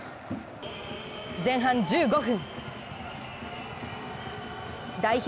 前半１５分代表